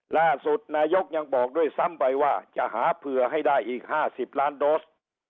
ล่าสุดนายกยังบอกด้วยซ้ำไปว่าจะหาเผื่อให้ได้อีก๕๐ล้านโดส